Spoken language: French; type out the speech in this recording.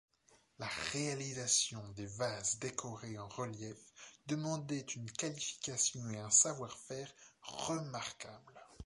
La réalisation des vases décorés en relief demandait une qualification et un savoir-faire remarquable.